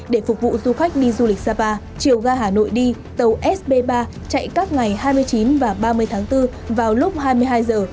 để phục vụ du khách đi du lịch sapa chiều ga hà nội đi tàu sb ba chạy các ngày hai mươi chín và ba mươi tháng bốn vào lúc hai mươi hai giờ